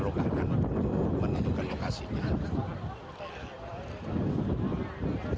untuk menentukan lokasinya